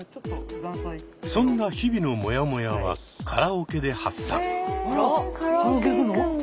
そんな日々のモヤモヤはカラオケで発散。